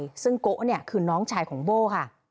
เวลาแดรงโกะคือน้องชายโบ้ค่ะ